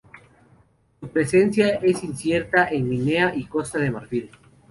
Su presencia es incierta en Guinea y Costa de Marfil.